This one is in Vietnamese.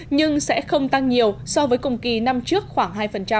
nhưng sẽ không tăng nhiều so với cùng kỳ năm trước khoảng hai